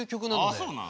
あそうなん？